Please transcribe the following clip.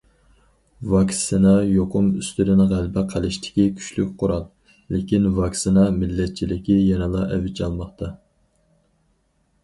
ۋاكسىنا يۇقۇم ئۈستىدىن غەلىبە قىلىشتىكى كۈچلۈك قورال، لېكىن« ۋاكسىنا مىللەتچىلىكى» يەنىلا ئەۋج ئالماقتا.